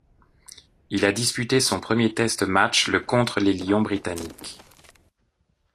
Il a disputé son premier test match le contre les Lions britanniques.